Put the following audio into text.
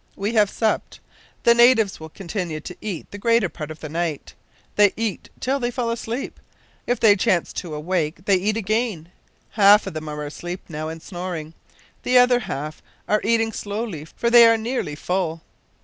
We have supped. The natives will continue to eat the greater part of the night. They eat till they fall asleep; if they chance to awake they eat again. Half of them are asleep now, and snoring. The other half are eating slowly, for they are nearly full.